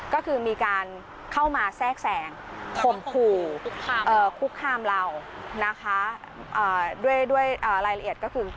ก็คือมีการเข้ามาแทรกแสงข่มขู่คุกคามเรานะคะด้วยรายละเอียดก็คือ